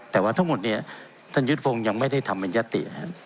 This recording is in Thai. แต่ว่าทั้งหมดนี้ท่านยุทธพงศ์ยังไม่ได้ทำบรรยาติ